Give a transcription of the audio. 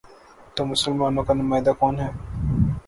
تو مسلمانوں کا نمائندہ کون ہے؟